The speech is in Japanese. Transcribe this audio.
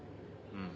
うん。